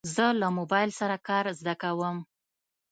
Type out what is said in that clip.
زه له موبایل سره کار زده کوم.